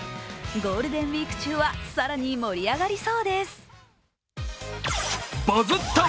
ゴールデンウイーク中は更に盛り上がりそうです。